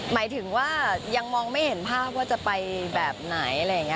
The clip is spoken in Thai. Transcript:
หมายถึงว่ายังมองไม่เห็นภาพว่าจะไปแบบไหน